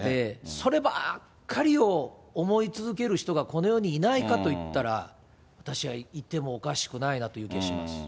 そればっかりを思い続ける人がこの世にいないかといったら、私は、いてもおかしくないなという気がします。